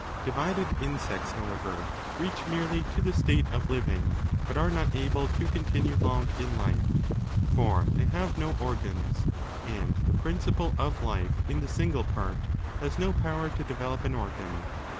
Divided insects, however, reach merely to the state of living, but are not able to continue long in life. For they have no organs, and the principle of life in the single part has no power to develop an organ.